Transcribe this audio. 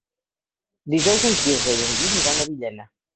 Dijous en Quirze i en Guim iran a Villena.